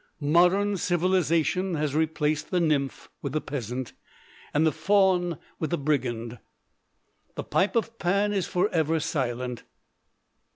Modern civilization has replaced the nymph with the peasant, and the faun with the brigand. The pipe of Pan is forever silent.